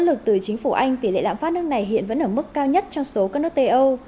áp lực từ chính phủ anh tỷ lệ lạm phát nước này hiện vẫn ở mức cao nhất trong số các nước tây âu